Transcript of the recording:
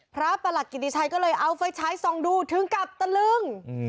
พระประหลักกิจติชัยก็เลยเอาไฟใช้สองดูถึงกับตลึง